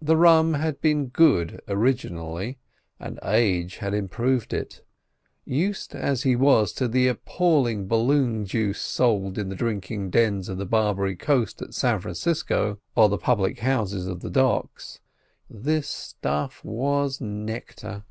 The rum had been good originally, and age had improved it. Used as he was to the appalling balloon juice sold in the drinking dens of the "Barbary coast" at San Francisco, or the public houses of the docks, this stuff was nectar.